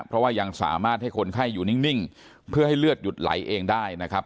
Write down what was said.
เพราะว่ายังสามารถให้คนไข้อยู่นิ่งเพื่อให้เลือดหยุดไหลเองได้นะครับ